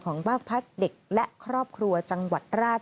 ของบ้าผ้าเด็กและครอบครัวจังหวัดราชบุรี